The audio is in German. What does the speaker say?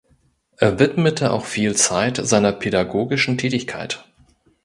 Er widmete auch viel Zeit seiner pädagogischen Tätigkeit.